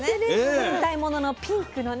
戦隊もののピンクのね。